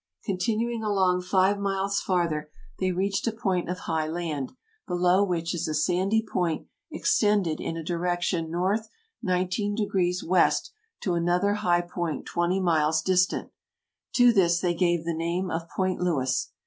Continuing along five miles farther, they reached a point of high land, below which a sandy point extended in a di rection north 1 90 west to another high point twenty miles distant. To this they gave the name of Point Lewis.